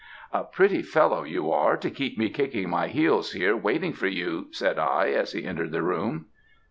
"'A pretty fellow you are, to keep me kicking my heels here waiting for you,' said I, as he entered the room.